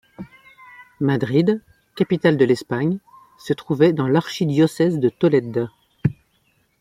Madrid, capitale de l'Espagne, se trouvait dans l'archidiocèse de Tolède.